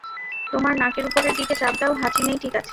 তোমার নাকের উপরের দিকে চাপ দেও, হাঁচি নেই ঠিক আছে?